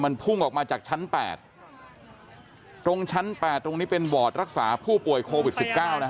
มันพุ่งออกมาจากชั้น๘ตรงชั้น๘ตรงนี้เป็นบอร์ดรักษาผู้ป่วยโควิดสิบเก้านะฮะ